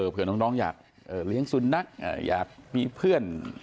เพื่อน้องอยากเลี้ยงสุนัขอยากมีเพื่อน